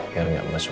biar gak masuk